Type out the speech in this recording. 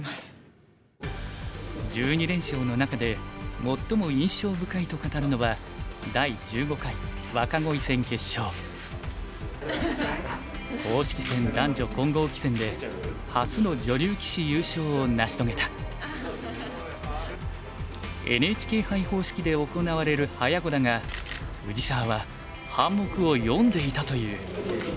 １２連勝の中で最も印象深いと語るのはＮＨＫ杯方式で行われる早碁だが藤沢は半目を読んでいたという。